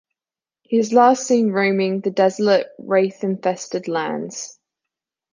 He is last seen roaming the desolate, wraith-infested lands.